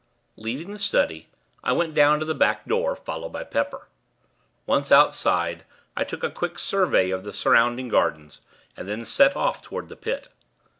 Leaving the study, I went down to the back door, followed by Pepper. Once outside, I took a quick survey of the surrounding gardens, and then set off toward the Pit.